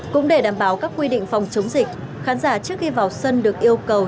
cũng để đảm bảo các quy định phòng chống dịch khán giả trước khi vào sân được yêu cầu